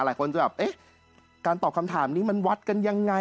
หลายคนจะแบบเอ๊ะการตอบคำถามนี้มันวัดกันยังไง